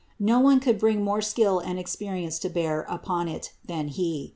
No one could bring more skill and experience to bear upon it than he.